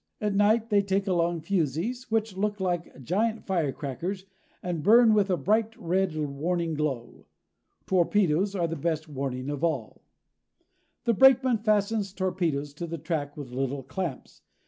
At night they take along fusees, which look like giant firecrackers and burn with a bright red warning glow. Torpedoes are the best warning of all. The brakeman fastens torpedoes to the track with little clamps.